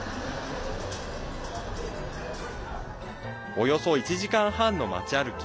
およそ１時間半の街歩き。